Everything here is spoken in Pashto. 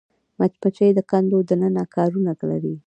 مچمچۍ د کندو دننه کارونه لري